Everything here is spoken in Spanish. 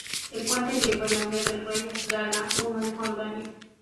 El puente lleva el nombre del rey Abdalá I de Jordania.